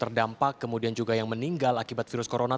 terdampak kemudian juga yang meninggal akibat virus corona